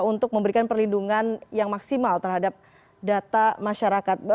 untuk memberikan perlindungan yang maksimal terhadap data masyarakat